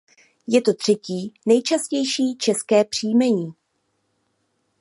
Je to třetí nejčastější české příjmení.